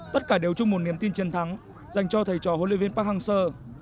tất cả đều chung một niềm tin chiến thắng dành cho thầy trò huấn luyện viên park hang seo